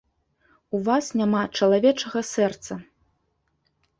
У вас няма чалавечага сэрца.